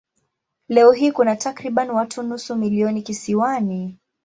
Leo hii kuna takriban watu nusu milioni kisiwani.